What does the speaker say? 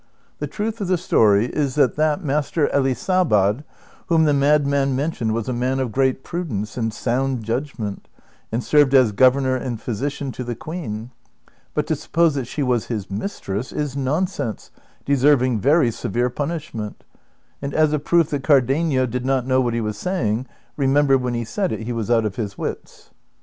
The truth of the story is that that Master Elisabad whom the madman mentioned was a man of great prudence and sound jiulgment, and served as governor and physician to the queen, but to suppose that she was his mistress is nonsense deserving very severe punish ment ; and as a proof that Cardenio did not know Avhat he was saying, remember when he said it he was out of his wits."